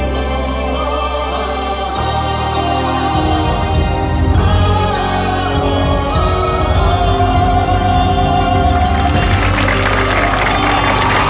โชว์สี่ภาคจากอัลคาซ่าครับ